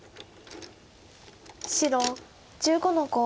白１５の五。